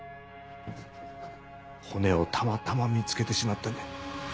骨をたまたま見つけてしまったんだ。